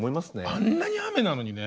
あんなに雨なのにね。